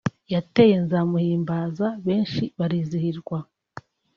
yateye 'Nzamuhimbaza' benshi barizihirwa